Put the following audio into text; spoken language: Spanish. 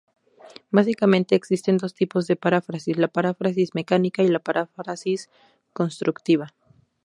Básicamente existen dos tipos de paráfrasis: la "paráfrasis mecánica" y la "paráfrasis constructiva".